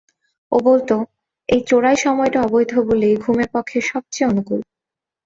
ও বলত, এই চোরাই সময়টা অবৈধ বলেই ঘুমের পক্ষে সব চেয়ে অনুকূল।